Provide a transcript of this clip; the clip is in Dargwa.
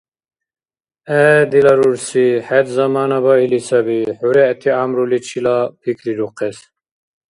ГӀе, дила рурси, хӀед замана баили саби хӀу-регӀти гӀямруличила пикрирухъес.